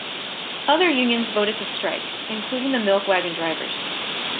Other unions voted to strike, including the milk wagon drivers.